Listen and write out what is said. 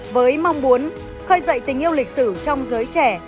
với mong muốn khơi dậy tình yêu lịch sử trong giới trẻ